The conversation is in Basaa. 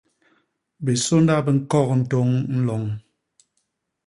Bisônda bi ñkok ntôñ nloñ.